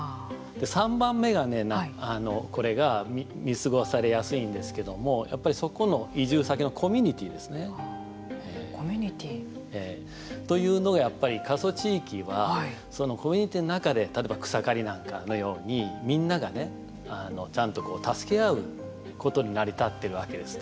で、３番目がね、これが見過ごされやすいんですけどもやっぱり、そこの移住先のコミュニティーですね。というのはやっぱり過疎地域はそのコミュニティーの中で例えば草刈りなんかのようにみんながちゃんと助け合うことで成り立ってるわけです。